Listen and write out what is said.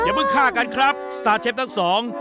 เพิ่งฆ่ากันครับสตาร์เชฟทั้งสอง